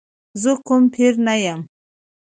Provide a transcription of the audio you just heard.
زه کوم پیر نه یم.